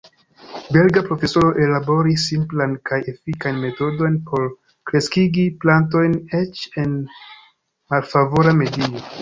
Belga profesoro ellaboris simplan kaj efikan metodon por kreskigi plantojn eĉ en malfavora medio.